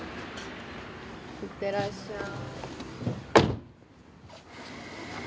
行ってらっしゃい。